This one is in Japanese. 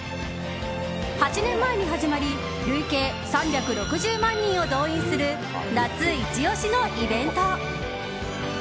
８年前に始まり累計３６０万人を動員する夏イチ押しのイベント。